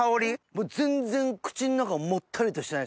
もう全然口ん中もったりとしてないですね。